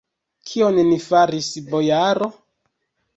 Kion ni faris, bojaro?